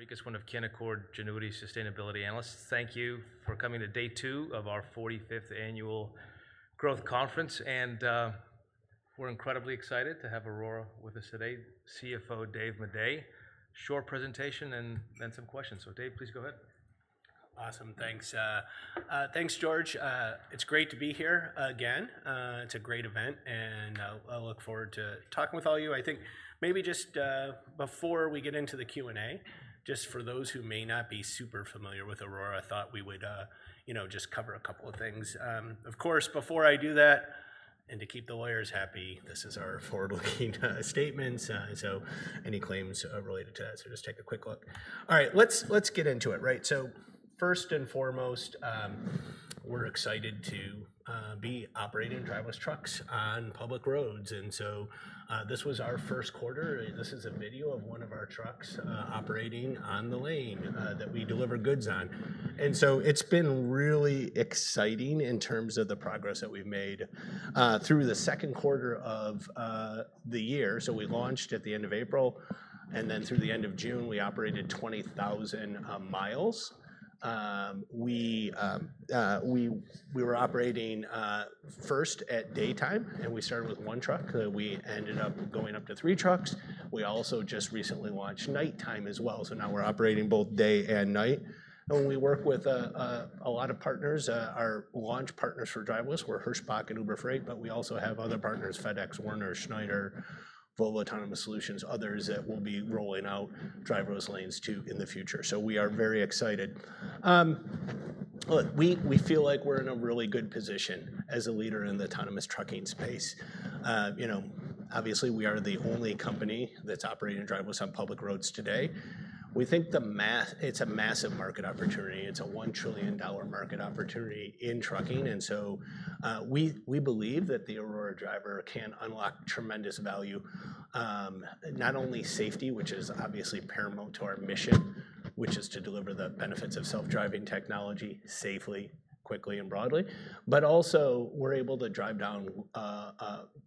Enrique is one of Canaccord Genuity Sustainability Analysts. Thank you for coming to day two of our 45th annual Growth Conference. We're incredibly excited to have Aurora with us today, CFO David Maday, short presentation and then some questions. Dave, please go ahead. Awesome. Thanks, thanks, George. It's great to be here again. It's a great event, and I look forward to talking with all you. I think maybe just before we get into the Q&A, just for those who may not be super familiar with Aurora, I thought we would just cover a couple of things. Of course, before I do that, and to keep the lawyers happy, this is our forward-looking statements, so any claims related to that. Just take a quick look. All right. Let's get into it. Right. First and foremost, we're excited to be operating driverless trucks on public roads. This was our first quarter. This is a video of one of our trucks operating on the lane that we deliver goods on. It's been really exciting in terms of the progress that we've made through the second quarter of the year. We launched at the end of April, and then through the end of June, we operated 20,000 miles. We were operating first at daytime, and we started with one truck. We ended up going up to three trucks. We also just recently launched nighttime as well. Now we're operating both day and night. We work with a lot of partners. Our launch partners for driverless were Hirschbach and Uber Freight, but we also have other partners, FedEx, Werner, Schneider, Volvo Autonomous Solutions, others that will be rolling out driverless lanes too in the future. We are very excited. We feel like we're in a really good position as a leader in the autonomous trucking space. Obviously, we are the only company that's operating driverless on public roads today. We think it's a massive market opportunity. It's a $1 trillion market opportunity in trucking. We believe that the Aurora Driver can unlock tremendous value, not only safety, which is obviously paramount to our mission, which is to deliver the benefits of self-driving technology safely, quickly, and broadly, but also we're able to drive down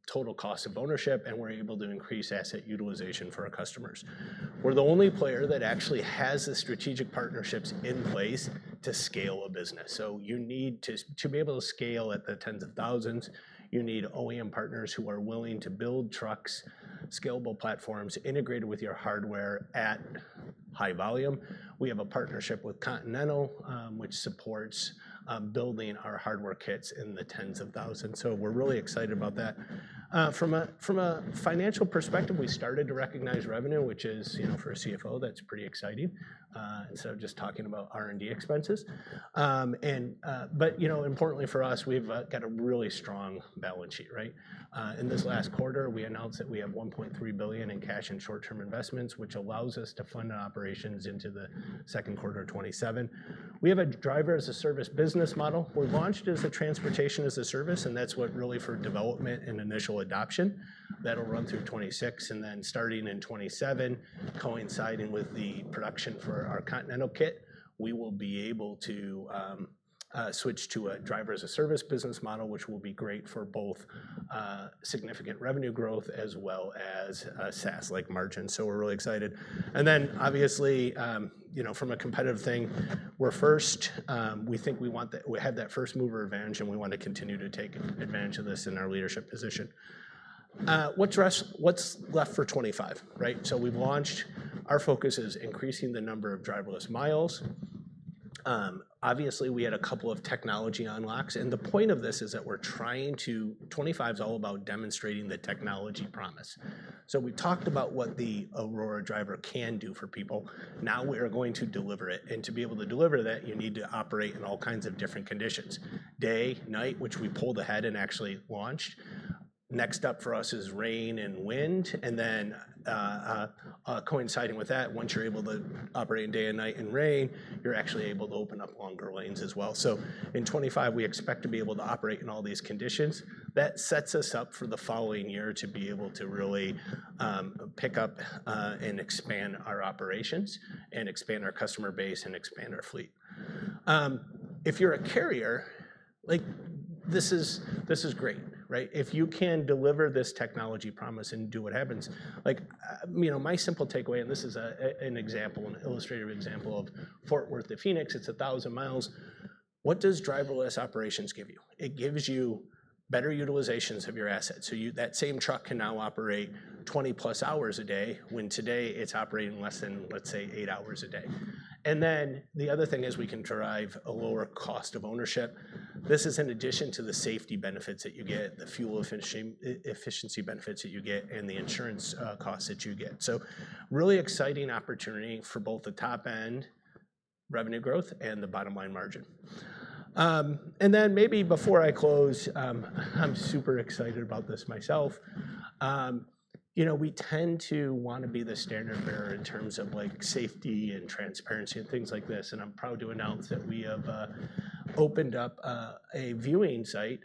total cost of ownership, and we're able to increase asset utilization for our customers. We're the only player that actually has the strategic partnerships in place to scale a business. You need to be able to scale at the tens of thousands. You need OEM partners who are willing to build trucks, scalable platforms integrated with your hardware at high volume. We have a partnership with Continental, which supports building our hardware kits in the tens of thousands. We're really excited about that. From a financial perspective, we started to recognize revenue, which is, you know, for a CFO, that's pretty exciting. Just talking about R&D expenses, and, but you know, importantly for us, we've got a really strong balance sheet, right? In this last quarter, we announced that we have $1.3 billion in cash and short-term investments, which allows us to fund operations into the second quarter of 2027. We have a Driver-as-a-Service business model. We launched as a Transportation-as-a-Service, and that's what really for development and initial adoption that'll run through 2026. Starting in 2027, coinciding with the production for our Continental kit, we will be able to switch to a Driver-as-a-Service business model, which will be great for both significant revenue growth as well as SaaS-like margins. We're really excited. Obviously, you know, from a competitive thing, we're first, we think we want that, we had that first mover advantage and we want to continue to take advantage of this in our leadership position. What's left for 2025, right? We've launched, our focus is increasing the number of driverless miles. Obviously, we had a couple of technology unlocks and the point of this is that we're trying to, 2025 is all about demonstrating the technology promise. We talked about what the Aurora Driver can do for people. Now we are going to deliver it. To be able to deliver that, you need to operate in all kinds of different conditions: day, night, which we pulled ahead and actually launched. Next up for us is rain and wind. Coinciding with that, once you're able to operate in day and night and rain, you're actually able to open up longer lanes as well. In 2025, we expect to be able to operate in all these conditions. That sets us up for the following year to be able to really pick up and expand our operations and expand our customer base and expand our fleet. If you're a carrier, like this is, this is great, right? If you can deliver this technology promise and do what happens, like, you know, my simple takeaway, and this is an example, an illustrative example of Fort Worth to Phoenix, it's 1,000 miles. What does driverless operations give you? It gives you better utilizations of your assets. That same truck can now operate 20 plus hours a day when today it's operating less than, let's say, eight hours a day. The other thing is we can drive a lower cost of ownership. This is in addition to the safety benefits that you get, the fuel efficiency benefits that you get, and the insurance costs that you get. Really exciting opportunity for both the top end revenue growth and the bottom line margin. Before I close, I'm super excited about this myself. We tend to want to be the standard bearer in terms of safety and transparency and things like this. I'm proud to announce that we have opened up a viewing site.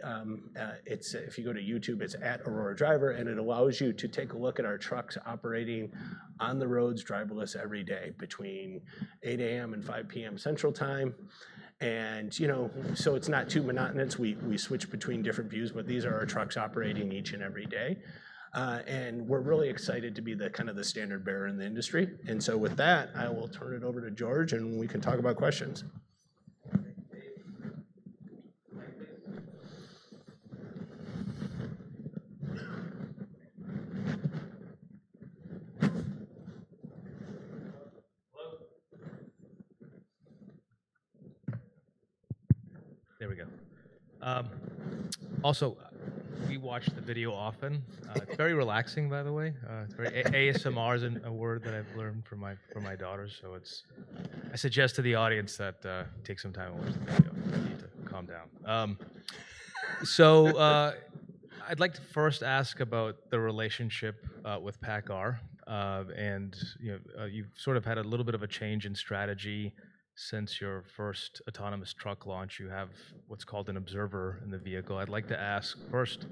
If you go to YouTube, it's @AuroraDriver and it allows you to take a look at our trucks operating on the roads driverless every day between 8:00 A.M. and 5:00 P.M. Central Time. It's not too monotonous. We switch between different views, but these are our trucks operating each and every day. We're really excited to be the standard bearer in the industry. With that, I will turn it over to George and we can talk about questions. There we go. Also, we watched the video often. It's very relaxing, by the way. Great. ASMR is a word that I've learned from my daughter. I suggest to the audience that, take some time and watch the video. If you need to calm down. I'd like to first ask about the relationship with PACCAR. You've sort of had a little bit of a change in strategy since your first autonomous truck launch. You have what's called an observer in the vehicle. I'd like to ask first,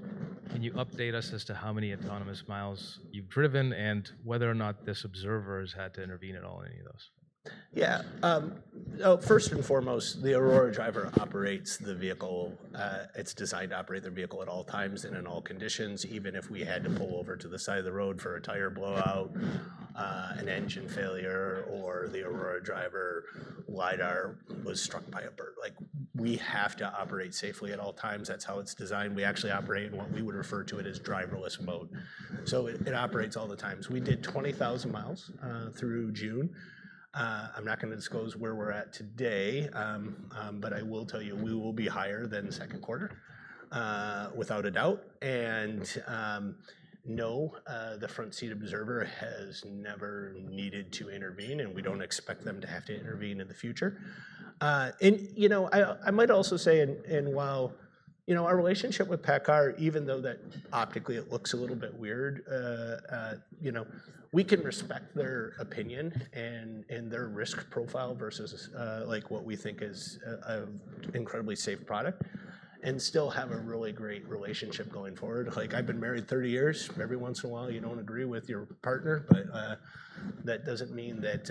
can you update us as to how many autonomous miles you've driven and whether or not this observer has had to intervene at all in any of those? Yeah. First and foremost, the Aurora Driver operates the vehicle. It's designed to operate the vehicle at all times and in all conditions, even if we had to pull over to the side of the road for a tire blowout, an engine failure, or the Aurora Driver lidar was struck by a bird. We have to operate safely at all times. That's how it's designed. We actually operate in what we would refer to as driverless mode. It operates all the time. We did 20,000 miles through June. I'm not going to disclose where we're at today, but I will tell you, we will be higher than the second quarter, without a doubt. No, the front seat observer has never needed to intervene and we don't expect them to have to intervene in the future. You know, I might also say, while our relationship with PACCAR, even though optically it looks a little bit weird, we can respect their opinion and their risk profile versus what we think is an incredibly safe product and still have a really great relationship going forward. I've been married 30 years. Every once in a while, you don't agree with your partner, but that doesn't mean that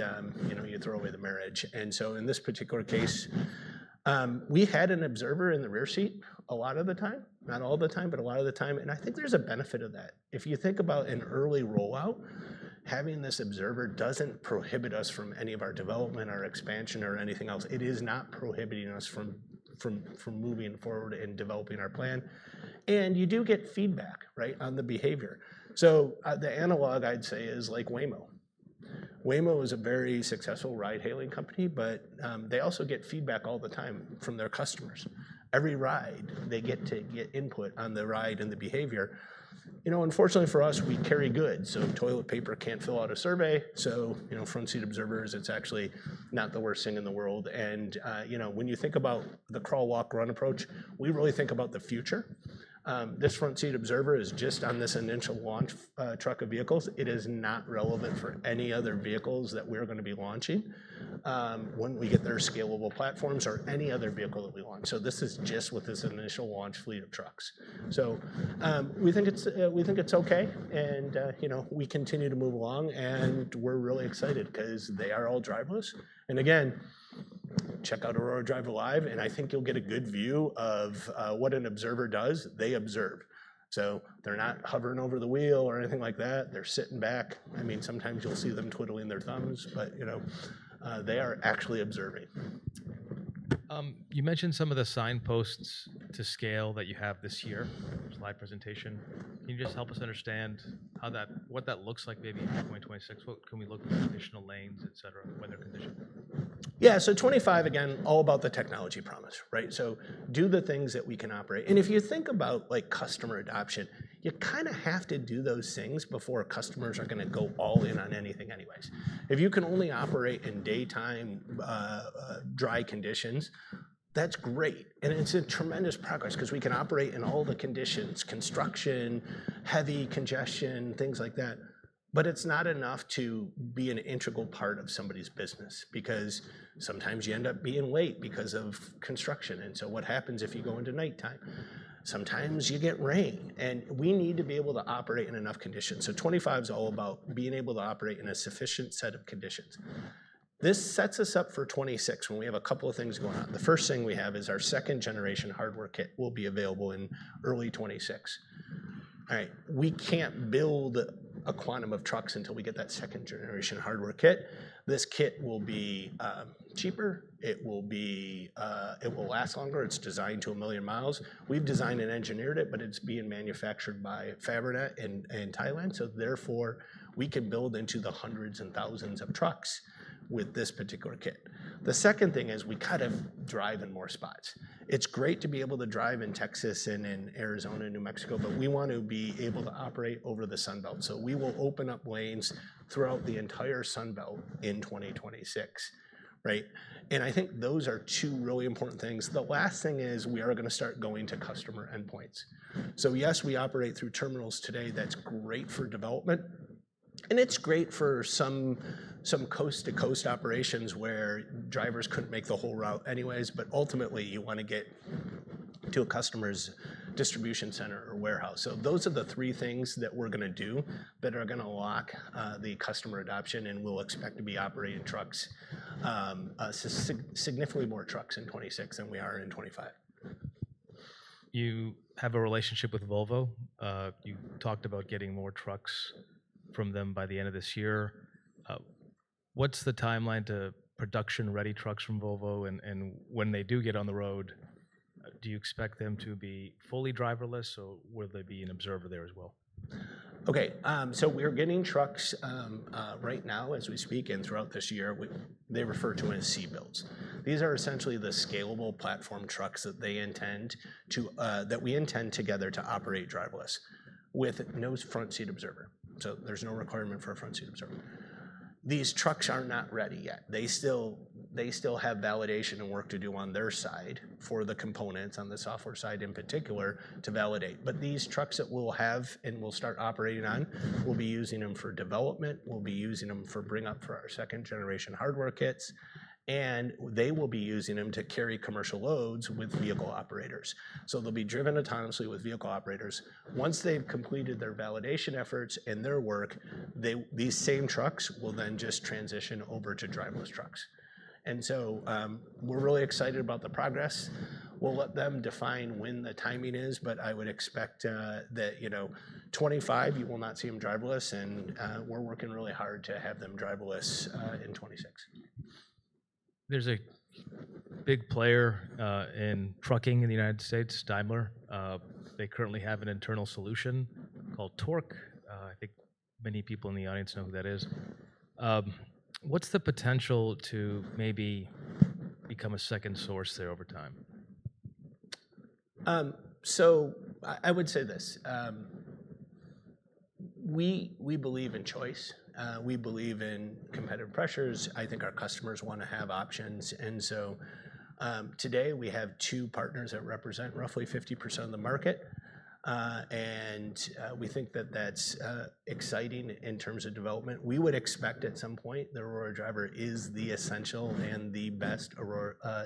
you throw away the marriage. In this particular case, we had an observer in the rear seat a lot of the time, not all the time, but a lot of the time. I think there's a benefit of that. If you think about an early rollout, having this observer doesn't prohibit us from any of our development or expansion or anything else. It is not prohibiting us from moving forward and developing our plan. You do get feedback on the behavior. The analog I'd say is like Waymo. Waymo is a very successful ride-hailing company, but they also get feedback all the time from their customers. Every ride, they get to get input on the ride and the behavior. Unfortunately for us, we carry goods. Toilet paper can't fill out a survey. Front seat observers, it's actually not the worst thing in the world. When you think about the crawl, walk, run approach, we really think about the future. This front seat observer is just on this initial launch truck of vehicles. It is not relevant for any other vehicles that we're going to be launching when we get their scalable platforms or any other vehicle that we launch. This is just with this initial launch fleet of trucks. We think it's okay. We continue to move along and we're really excited because they are all driverless. Again, check out Aurora Driver Live, and I think you'll get a good view of what an observer does. They observe. They're not hovering over the wheel or anything like that. They're sitting back. Sometimes you'll see them twiddling their thumbs, but they are actually observing. You mentioned some of the signposts to scale that you have this year. There's a live presentation. Can you just help us understand how that, what that looks like maybe in 2026? What can we look at? Additional lanes, et cetera, weather conditions. Yeah. 2025, again, all about the technology promise, right? Do the things that we can operate. If you think about customer adoption, you kind of have to do those things before customers are going to go all in on anything anyways. If you can only operate in daytime, dry conditions, that's great. It's a tremendous progress because we can operate in all the conditions: construction, heavy congestion, things like that. It's not enough to be an integral part of somebody's business because sometimes you end up being late because of construction. What happens if you go into nighttime? Sometimes you get rain and we need to be able to operate in enough conditions. 2025 is all about being able to operate in a sufficient set of conditions. This sets us up for 2026 when we have a couple of things going on. The first thing we have is our second generation hardware kit will be available in early 2026. We can't build a quantum of trucks until we get that second generation hardware kit. This kit will be cheaper. It will last longer. It's designed to a million miles. We've designed and engineered it, but it's being manufactured by Fabrinet in Thailand. Therefore, we can build into the hundreds and thousands of trucks with this particular kit. The second thing is we kind of drive in more spots. It's great to be able to drive in Texas and in Arizona and New Mexico, but we want to be able to operate over the Sunbelt. We will open up lanes throughout the entire Sunbelt in 2026, right? I think those are two really important things. The last thing is we are going to start going to customer endpoints. Yes, we operate through terminals today. That's great for development. It's great for some coast-to-coast operations where drivers couldn't make the whole route anyways, but ultimately you want to get to a customer's distribution center or warehouse. Those are the three things that we're going to do that are going to lock the customer adoption and we'll expect to be operating trucks, significantly more trucks in 2026 than we are in 2025. You have a relationship with Volvo. You talked about getting more trucks from them by the end of this year. What's the timeline to production-ready trucks from Volvo? When they do get on the road, do you expect them to be fully driverless or will there be an observer there as well? Okay. We're getting trucks right now as we speak and throughout this year. They refer to them with seat belts. These are essentially the scalable platform trucks that they intend to, that we intend together to operate driverless with no front seat observer. There's no requirement for a front seat observer. These trucks are not ready yet. They still have validation and work to do on their side for the components on the software side in particular to validate. These trucks that we'll have and we'll start operating on, we'll be using them for development. We'll be using them for bringing up for our second generation hardware kits. They will be using them to carry commercial loads with vehicle operators. They'll be driven autonomously with vehicle operators. Once they've completed their validation efforts and their work, these same trucks will then just transition over to driverless trucks. We're really excited about the progress. We'll let them define when the timing is, but I would expect that, you know, 2025 you will not see them driverless and we're working really hard to have them driverless in 2026. There's a big player in trucking in the United States, Daimler. They currently have an internal solution called Torc. I think many people in the audience know who that is. What's the potential to maybe become a second source there over time? I would say this. We believe in choice. We believe in competitive pressures. I think our customers want to have options. Today we have two partners that represent roughly 50% of the market, and we think that that's exciting in terms of development. We would expect at some point the Aurora Driver is the essential and the best,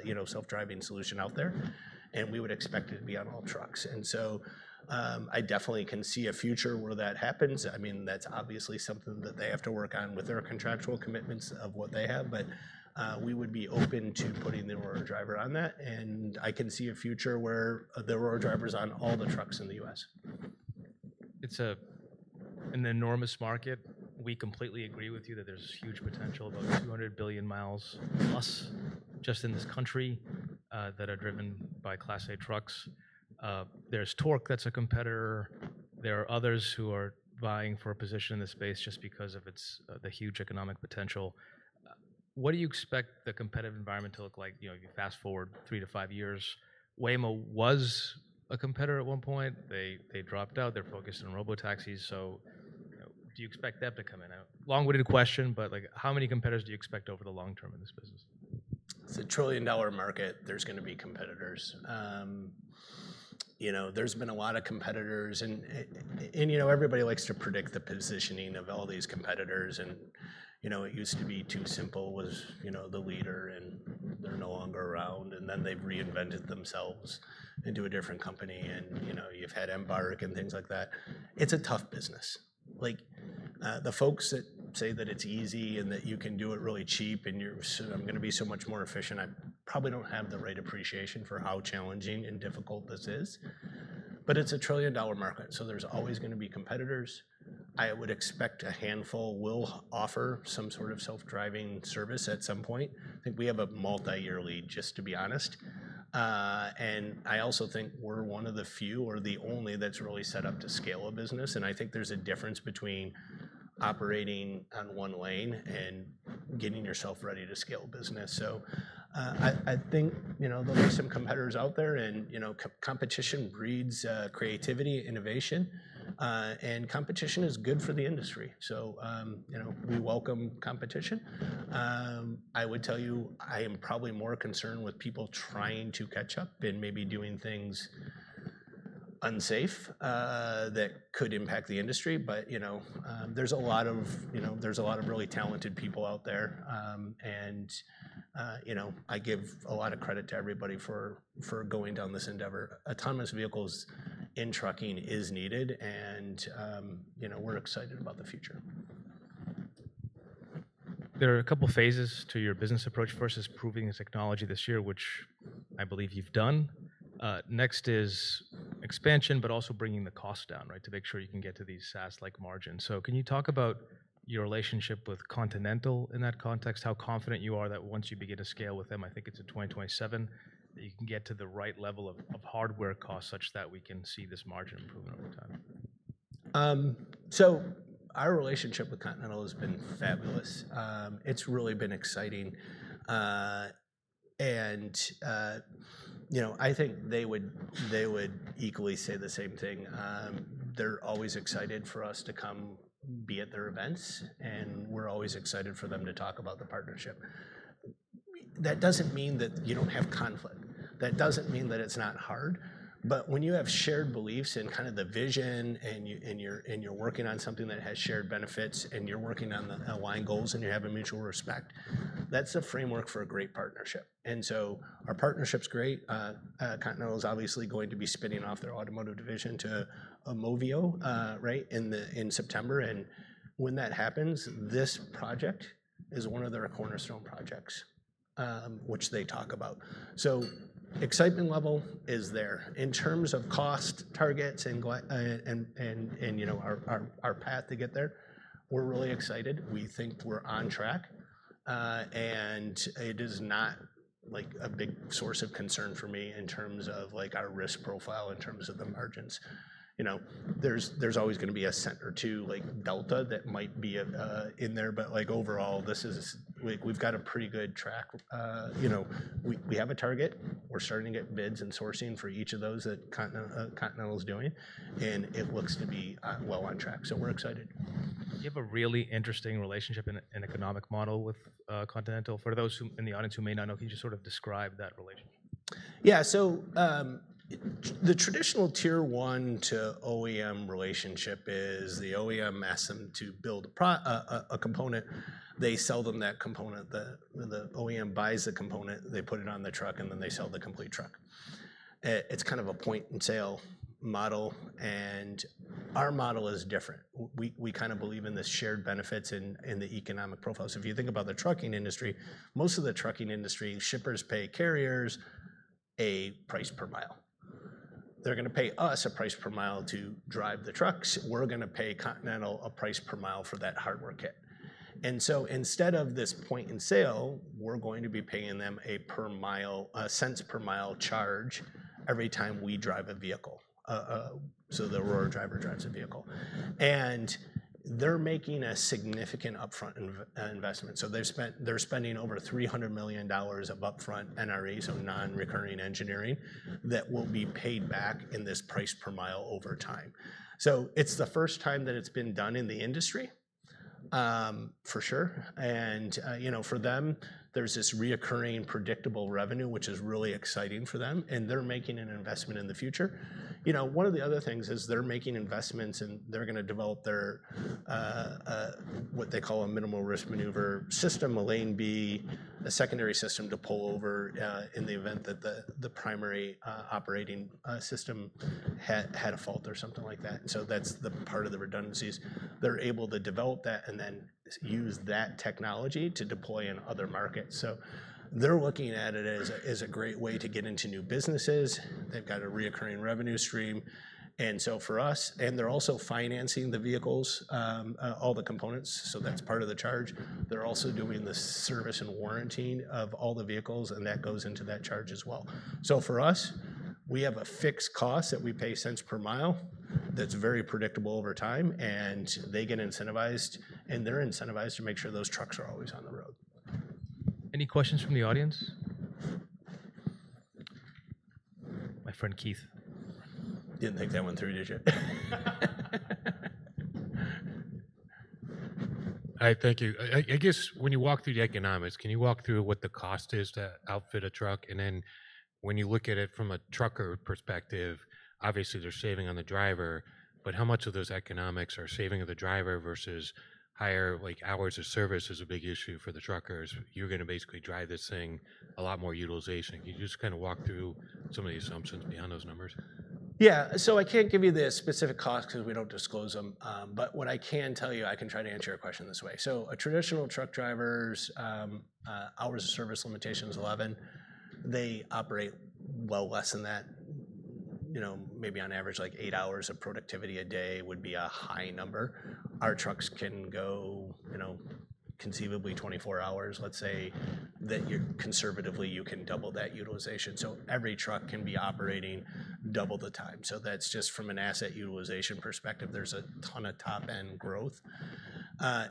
you know, self-driving solution out there. We would expect it to be on all trucks. I definitely can see a future where that happens. I mean, that's obviously something that they have to work on with their contractual commitments of what they have, but we would be open to putting the Aurora Driver on that. I can see a future where the Aurora Driver is on all the trucks in the U.S. It's an enormous market. We completely agree with you that there's huge potential, about 200 billion miles plus just in this country, that are driven by Class A trucks. There's Torc that's a competitor. There are others who are vying for a position in the space just because of the huge economic potential. What do you expect the competitive environment to look like? You know, you fast forward three to five years. Waymo was a competitor at one point. They dropped out. They're focused on robotaxis. Do you expect that to come in? A long-winded question, but like how many competitors do you expect over the long term in this business? It's a trillion-dollar market. There's going to be competitors. There's been a lot of competitors, and everybody likes to predict the positioning of all these competitors. It used to be too simple with the leader, and they're no longer around. Then they'd reinvented themselves into a different company. You've had Embark and things like that. It's a tough business. The folks that say that it's easy and that you can do it really cheap and you're going to be so much more efficient probably don't have the right appreciation for how challenging and difficult this is, but it's a trillion-dollar market, so there's always going to be competitors. I would expect a handful will offer some sort of self-driving service at some point. I think we have a multi-year lead, just to be honest. I also think we're one of the few or the only that's really set up to scale a business. I think there's a difference between operating on one lane and getting yourself ready to scale a business. There'll be some competitors out there, and competition breeds creativity, innovation, and competition is good for the industry. We welcome competition. I would tell you, I am probably more concerned with people trying to catch up and maybe doing things unsafe that could impact the industry. There's a lot of really talented people out there, and I give a lot of credit to everybody for going down this endeavor. Autonomous vehicles in trucking is needed, and we're excited about the future. There are a couple of phases to your business approach. First is proving the technology this year, which I believe you've done. Next is expansion, but also bringing the cost down, right? To make sure you can get to these SaaS-like margins. Can you talk about your relationship with Continental in that context? How confident you are that once you begin to scale with them, I think it's 2027, that you can get to the right level of hardware costs such that we can see this margin improvement over time? Our relationship with Continental has been fabulous. It's really been exciting, and I think they would equally say the same thing. They're always excited for us to come be at their events, and we're always excited for them to talk about the partnership. That doesn't mean that you don't have conflict. That doesn't mean that it's not hard. When you have shared beliefs in the vision and you're working on something that has shared benefits and you're working on aligned goals and you have a mutual respect, that's a framework for a great partnership. Our partnership's great. Continental is obviously going to be spinning off their automotive division to AUMOVIO in September, and when that happens, this project is one of their cornerstone projects, which they talk about. Excitement level is there in terms of cost targets and our path to get there. We're really excited. We think we're on track, and it is not a big source of concern for me in terms of our risk profile, in terms of the margins. There's always going to be a center to Delta that might be in there, but overall, we've got a pretty good track. We have a target. We're starting to get bids and sourcing for each of those that Continental is doing, and it looks to be well on track. We're excited. You have a really interesting relationship and economic model with Continental. For those in the audience who may not know, can you just sort of describe that relationship? Yeah. The traditional tier one to OEM relationship is the OEM asks them to build a component. They sell them that component. The OEM buys the component, they put it on the truck, and then they sell the complete truck. It's kind of a point and sale model. Our model is different. We kind of believe in the shared benefits and the economic profile. If you think about the trucking industry, most of the trucking industry, shippers pay carriers a price per mile. They're going to pay us a price per mile to drive the trucks. We're going to pay Continental a price per mile for that hardware kit. Instead of this point and sale, we're going to be paying them a per mile, a $0.01 per mile charge every time we drive a vehicle, so the Aurora Driver drives a vehicle. They're making a significant upfront investment. They're spending over $300 million of upfront NRE, so non-recurring engineering that will be paid back in this price per mile over time. It's the first time that it's been done in the industry, for sure. For them, there's this recurring predictable revenue, which is really exciting for them. They're making an investment in the future. One of the other things is they're making investments and they're going to develop their, what they call a Minimal Risk Maneuver system, a lane B, a secondary system to pull over in the event that the primary operating system had a fault or something like that. That's the part of the redundancies. They're able to develop that and then use that technology to deploy in other markets. They're looking at it as a great way to get into new businesses. They've got a recurring revenue stream. For us, they're also financing the vehicles, all the components. That's part of the charge. They're also doing the service and warranty of all the vehicles. That goes into that charge as well. For us, we have a fixed cost that we pay $0.01 per mile that's very predictable over time. They get incentivized and they're incentivized to make sure those trucks are always on the road. Any questions from the audience? My friend Keith. Didn't think that went through this year. All right. Thank you. I guess when you walk through the economics, can you walk through what the cost is to outfit a truck? When you look at it from a trucker perspective, obviously they're saving on the driver, but how much of those economics are saving of the driver versus higher, like hours of service is a big issue for the truckers? You're going to basically drive this thing a lot more utilization. Can you just kind of walk through some of the assumptions behind those numbers? Yeah. I can't give you the specific costs because we don't disclose them. What I can tell you, I can try to answer your question this way. A traditional truck driver's hours of service limitation is 11. They operate well less than that. You know, maybe on average, like eight hours of productivity a day would be a high number. Our trucks can go, you know, conceivably 24 hours. Let's say that you're conservatively, you can double that utilization. Every truck can be operating double the time. That's just from an asset utilization perspective. There's a ton of top end growth.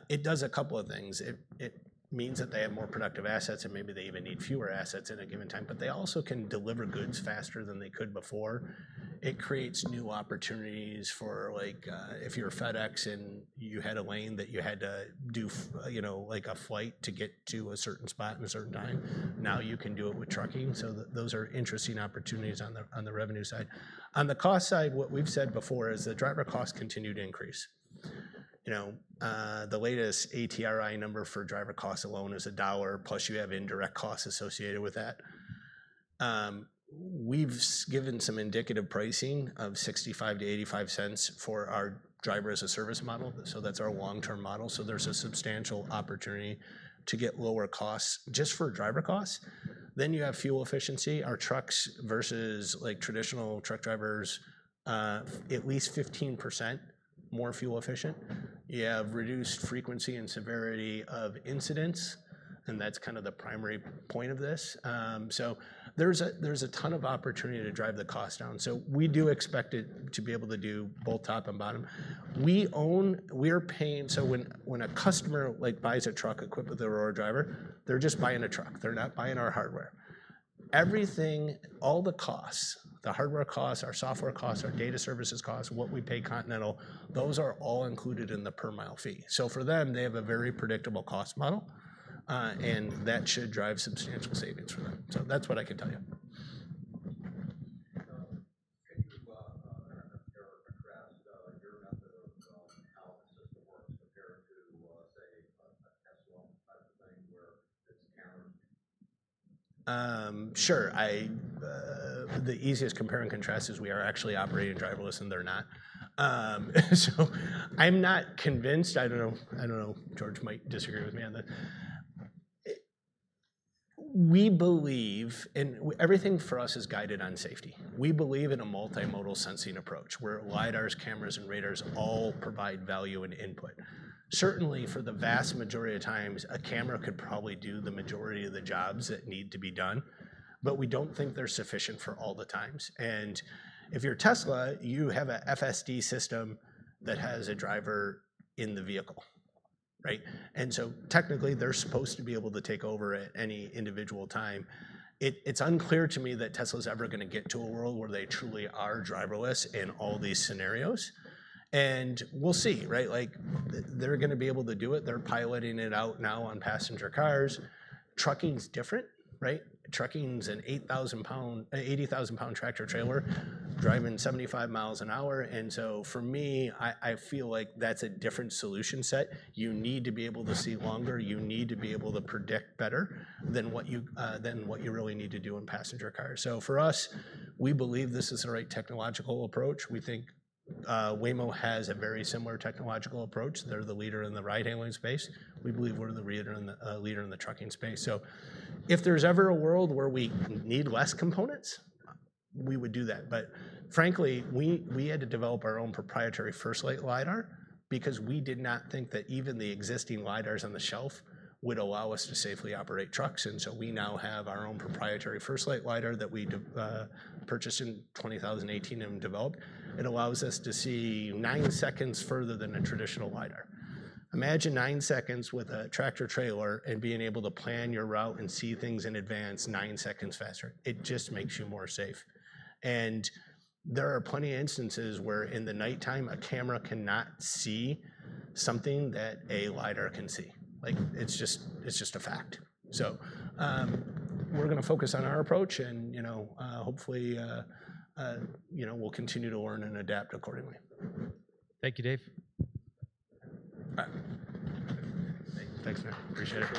It does a couple of things. It means that they have more productive assets and maybe they even need fewer assets at a given time, but they also can deliver goods faster than they could before. It creates new opportunities for, like, if you're a FedEx and you had a lane that you had to do, you know, like a flight to get to a certain spot in a certain time, now you can do it with trucking. Those are interesting opportunities on the revenue side. On the cost side, what we've said before is the driver costs continue to increase. The latest ATRI number for driver costs alone is $1 plus you have indirect costs associated with that. We've given some indicative pricing of $0.65 to $0.85 for our Driver-as-a-Service model. That's our long-term model. There's a substantial opportunity to get lower costs just for driver costs. Then you have fuel efficiency. Our trucks versus traditional truck drivers, at least 15% more fuel efficient. You have reduced frequency and severity of incidents. That's kind of the primary point of this. There's a ton of opportunity to drive the cost down. We do expect it to be able to do both top and bottom. We own, we are paying. When a customer buys a truck equipped with the Aurora Driver, they're just buying a truck. They're not buying our hardware. Everything, all the costs, the hardware costs, our software costs, our data services costs, what we pay Continental, those are all included in the per-mile fee. For them, they have a very predictable cost model, and that should drive substantial savings for them. That's what I can tell you. The easiest compare and contrast is we are actually operating driverless and they're not. I'm not convinced. I don't know. I don't know. George might disagree with me on that. We believe, and everything for us is guided on safety. We believe in a multimodal sensing approach where lidars, cameras, and radars all provide value and input. Certainly, for the vast majority of times, a camera could probably do the majority of the jobs that need to be done, but we don't think they're sufficient for all the times. If you're Tesla, you have an FSD system that has a driver in the vehicle, right? Technically, they're supposed to be able to take over at any individual time. It's unclear to me that Tesla's ever going to get to a world where they truly are driverless in all these scenarios. We'll see, right? They're going to be able to do it. They're piloting it out now on passenger cars. Trucking's different, right? Trucking's an 8,000 pound, an 80,000 pound tractor trailer driving 75 miles an hour. For me, I feel like that's a different solution set. You need to be able to see longer. You need to be able to predict better than what you really need to do in passenger cars. For us, we believe this is the right technological approach. We think Waymo has a very similar technological approach. They're the leader in the ride handling space. We believe we're the leader in the trucking space. If there's ever a world where we need less components, we would do that. Frankly, we had to develop our own proprietary FirstLight Lidar because we did not think that even the existing lidars on the shelf would allow us to safely operate trucks. We now have our own proprietary FirstLight Lidar that we purchased in 2018 and developed. It allows us to see nine seconds further than a traditional lidar. Imagine nine seconds with a tractor trailer and being able to plan your route and see things in advance nine seconds faster. It just makes you more safe. There are plenty of instances where in the nighttime, a camera cannot see something that a lidar can see. It's just a fact. We're going to focus on our approach and, you know, hopefully, you know, we'll continue to learn and adapt accordingly. Thank you, Dave. Thanks. Appreciate it.